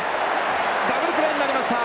ダブルプレーになりました。